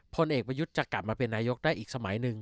พลเอกประยุทธ์จะกลับมาเป็นนายกได้อีกสมัยหนึ่ง